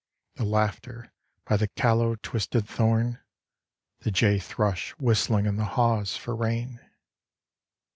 The laughter by the callow twisted thorn, The jay thrush whistling in the haws for rain.